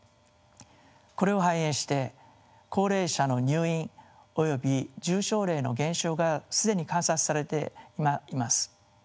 これを反映して高齢者の入院および重症例の減少が既に観察されています。